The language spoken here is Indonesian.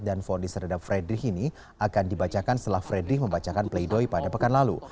dan fonis terhadap fredri ini akan dibacakan setelah fredri membacakan playdohi pada pekan lalu